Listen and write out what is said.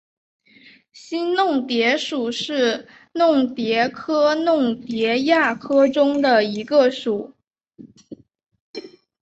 新弄蝶属是弄蝶科弄蝶亚科中的一个属。